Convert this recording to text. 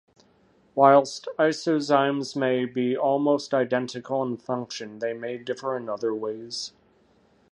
Whilst isozymes may be almost identical in function, they may differ in other ways.